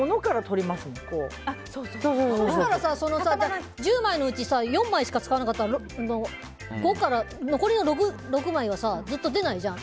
そしたら１０枚のうち４枚しか使わなかったら残りの６枚はずっと出ないじゃん。